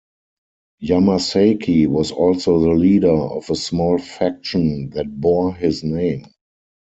Yamasaki was also the leader of a small faction that bore his name.